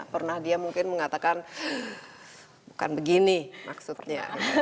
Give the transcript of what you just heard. pernah dia mungkin mengatakan bukan begini maksudnya